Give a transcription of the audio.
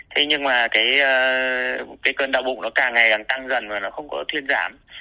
thế nhưng mà cái cơn đau bụng nó càng ngày càng tăng dần và nó không có thuyên giảm